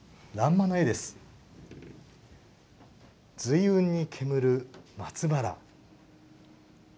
端雲に煙る松原。